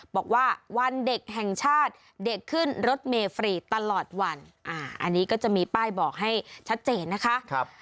บอกว่าวันเด็กแห่งชาติเด็กขึ้นรถเมย์ฟรีตลอดวันอันนี้ก็จะมีป้ายบอกให้ชัดเจนนะคะ